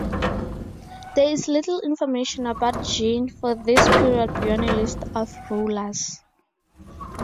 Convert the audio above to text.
There is little information about Jin for this period beyond a list of rulers.